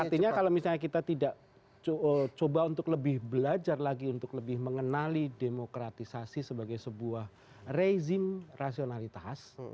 artinya kalau misalnya kita tidak coba untuk lebih belajar lagi untuk lebih mengenali demokratisasi sebagai sebuah rezim rasionalitas